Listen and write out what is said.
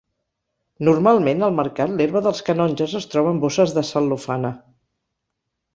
Normalment al mercat l'herba dels canonges es troba en bosses de cel·lofana.